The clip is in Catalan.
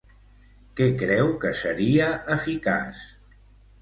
Què creu que seria eficaç?